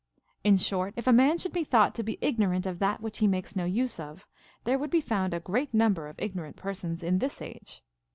In short, if a man should be thought to be ignorant of that which he makes no use of, there would be found a great number of ignorant persons in this age.